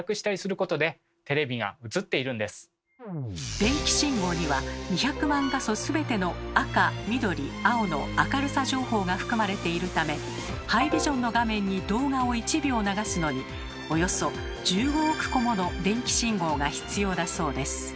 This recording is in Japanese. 電気信号には２００万画素全ての赤緑青の明るさ情報が含まれているためハイビジョンの画面に動画を１秒流すのにおよそ１５億個もの電気信号が必要だそうです。